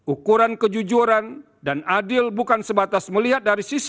ukuran kejujuran dan adil bukan sebatas melihat dari sisi